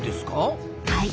はい。